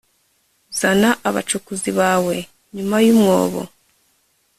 Zana abacukuzi bawe nyuma yumwobo